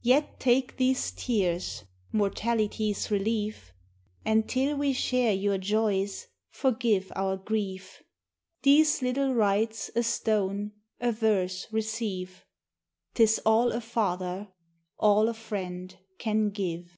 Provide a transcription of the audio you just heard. Yet take these tears, Mortality's relief, And till we share your joys, forgive our grief: These little rites, a stone, a verse receive; 'Tis all a father, all a friend can give!